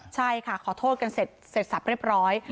ใช่ค่ะขอโทษกันเสร็จสับเรียบร้อย